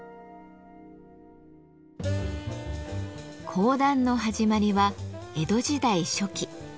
講談の始まりは江戸時代初期。